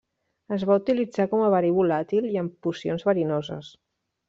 Es va utilitzar com a verí volàtil i en pocions verinoses.